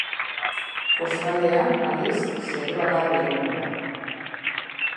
Kostaldean, aldiz, zerua garbi egongo da.